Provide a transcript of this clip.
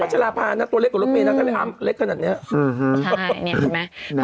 ใช่นี่เห็นไหม